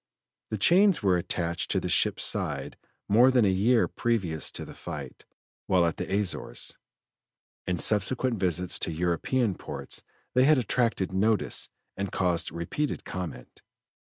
The chains were attached to the ship's side more than a year previous to the fight, while at the Azores; in subsequent visits to European ports they had attracted notice and caused repeated comment.